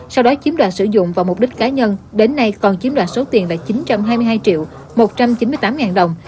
sau đó chiếm đoạt sử dụng vào mục đích cá nhân đến nay còn chiếm đoạt số tiền là chín trăm hai mươi hai triệu một trăm chín mươi tám đồng